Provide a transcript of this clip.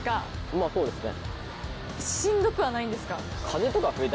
まぁそうですね。